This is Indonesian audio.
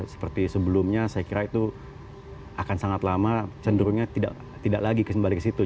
seperti sebelumnya saya kira itu akan sangat lama cenderungnya tidak lagi kembali ke situ